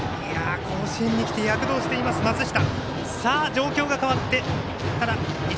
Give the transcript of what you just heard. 甲子園に来て躍動しています、松下。